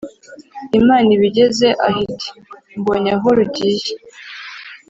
imana iba igeze aho iti:” mbonye aho rugiye.